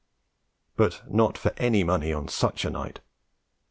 But not for any money on such a night!